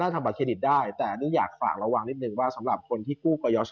ทำบัตเครดิตได้แต่ต้องอยากฝากระวังนิดนึงว่าสำหรับคนที่กู้ก่อย